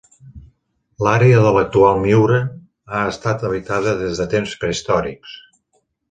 L'àrea de l'actual Miura ha estat habitada des de temps prehistòrics.